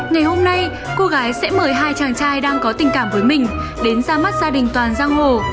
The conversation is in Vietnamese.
ngày hôm nay cô gái sẽ mời hai chàng trai đang có tình cảm với mình đến ra mắt gia đình toàn giang hồ